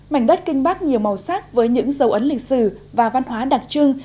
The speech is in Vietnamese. mảnh đất kinh bắc nhiều màu sắc với những dấu ấn lịch sử và văn hóa đặc trưng